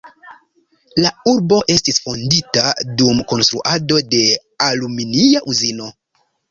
La urbo estis fondita dum konstruado de aluminia uzino.